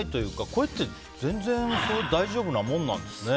声って全然、大丈夫なもんなんですね。